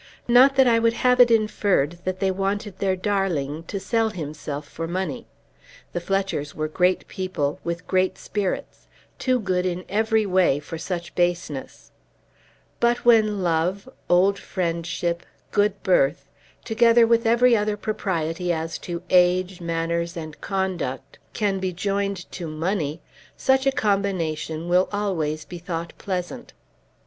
Not that I would have it inferred that they wanted their darling to sell himself for money. The Fletchers were great people, with great spirits, too good in every way for such baseness. But when love, old friendship, good birth, together with every other propriety as to age, manners, and conduct, can be joined to money, such a combination will always be thought pleasant.